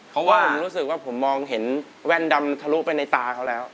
เพราะว่าผมรู้สึกว่าผมมองเห็นแว่นดำทะลุไปในตาเขาแล้ว